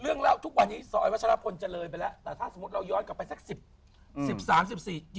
เรื่องเล่าทุกวันนี้สวัชลาภนธ์เจริญไปแล้วแต่ถ้าสมมุติเราย้อนกลับไปสัก๑๐